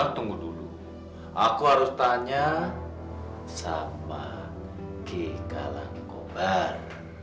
tunggu dulu aku harus tanya sama gk langkobar